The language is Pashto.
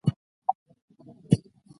شاوخوا یې باندي ووهل څرخونه